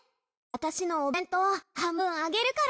私のおべんとう半分あげるから。